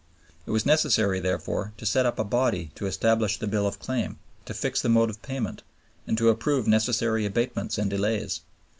It was necessary, therefore, to set up a body to establish the bill of claim, to fix the mode of payment, and to approve necessary abatements and delays.